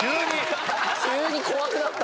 急に怖くなった。